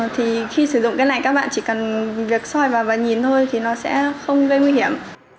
thì khi sử dụng cái này các bạn chỉ cần việc soi và nhìn thôi thì nó sẽ không gây nguy hiểm